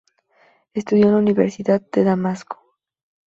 Estudió en la Universidad de Damasco.